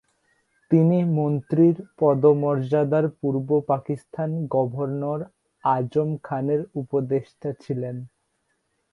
তিনি মন্ত্রীর পদমর্যাদায় পূর্ব পাকিস্তান গভর্নর আজম খানের উপদেষ্টা ছিলেন।